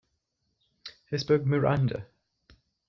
His book Miranda.